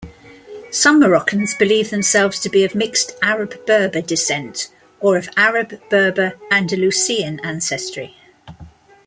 Some Moroccans believe themselves to be of mixed Arab-Berber descent or of Arab-Berber-Andalusian ancestry.